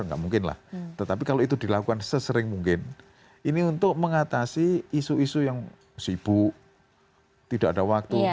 nggak mungkin lah tetapi kalau itu dilakukan sesering mungkin ini untuk mengatasi isu isu yang sibuk tidak ada waktu